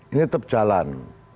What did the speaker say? ini tetap jalan